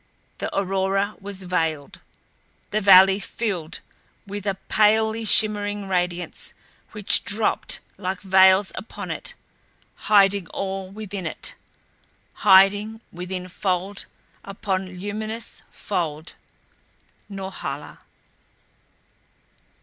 The aurora was veiled. The valley filled with a palely shimmering radiance which dropped like veils upon it, hiding all within it. Hiding within fold upon luminous fold Norhala!